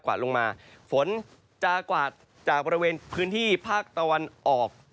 วาดลงมาฝนจะกวาดจากบริเวณพื้นที่ภาคตะวันออก